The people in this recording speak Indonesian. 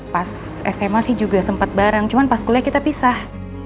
pas sma sih juga sempat bareng cuman pas kuliah kita pisah